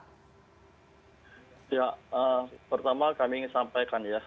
ya pertama kami ingin sampaikan ya